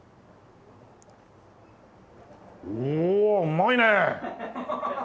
おおうまいね！